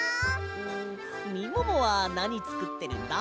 んみももはなにつくってるんだ？